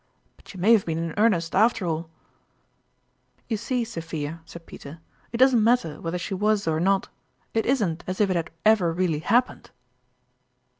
But she may have been in earnest after all !"" You see, Sophia," said Peter, " it doesn't matter whether she was or not it isn't as if it had ever really happened."